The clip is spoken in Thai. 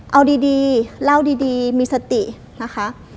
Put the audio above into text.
เอาดีเล่าดีมีสตินะคะ